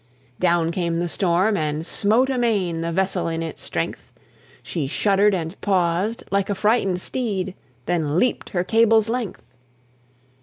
Down came the storm, and smote amain The vessel in its strength; She shuddered and paused, like a frighted steed, Then leaped her cable's length.